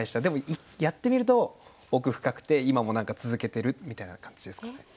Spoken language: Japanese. でもやってみると奥深くて今も何か続けてるみたいな感じですかね。